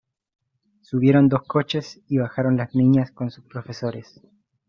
Subieron dos coches y bajaron las niñas con sus profesoras.